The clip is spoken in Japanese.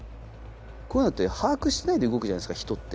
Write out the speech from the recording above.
こういうのって把握してないで動くじゃないですか人って。